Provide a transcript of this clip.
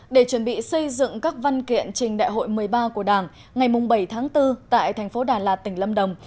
để chuẩn bị xây dựng các văn kiện trình đại hội một mươi ba của đảng ngày bảy tháng bốn tại thành phố đà lạt tỉnh lâm đồng